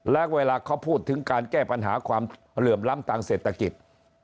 และเวลาเขาพูดถึงการแก้ปัญหาความเหลื่อมล้ำทางเศรษฐกิจ